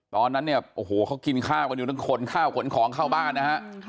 ตอนนั้นเนี่ยโอ้โหเขากินข้าวกันอยู่ต้องขนข้าวขนของเข้าบ้านนะฮะ